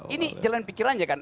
ini jalan pikir saja